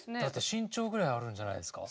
身長ぐらいあるんじゃないですか？